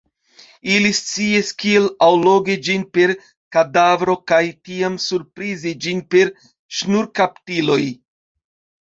Ili sciis kiel allogi ĝin per kadavro kaj tiam surprizi ĝin per ŝnurkaptiloj.